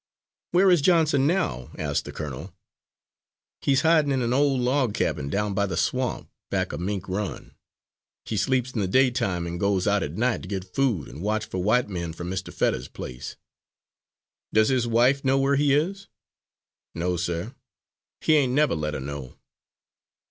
"Where is Johnson now," asked the colonel. "He's hidin' in an old log cabin down by the swamp back of Mink Run. He sleeps in the daytime, and goes out at night to get food and watch for white men from Mr. Fetters's place." "Does his wife know where he is?" "No, sir; he ain't never let her know."